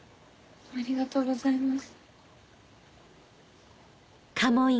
ありがとうございます。